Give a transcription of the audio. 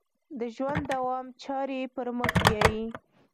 د ژوند دوام چارې پر مخ بیایي.